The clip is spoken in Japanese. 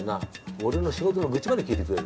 俺の仕事の愚痴まで聞いてくれる。